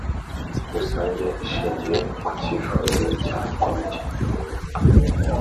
Rusange ishingiye ku cyifuzo cya Komite